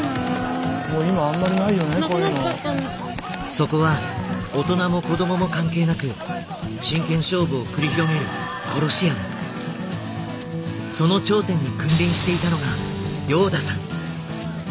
そこは大人も子供も関係なく真剣勝負を繰り広げるその頂点に君臨していたのがヨーダさん。